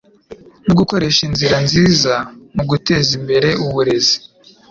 no gukoresha inzira nziza mu guteza imbere uburezi